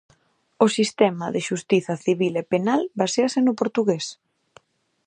O sistema de xustiza civil e penal baséase no portugués.